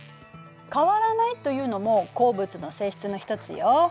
変わらないというのも鉱物の性質の一つよ。